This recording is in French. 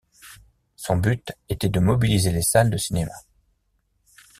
Son but était de mobiliser les salles de cinéma.